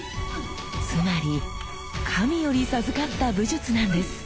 つまり神より授かった武術なんです。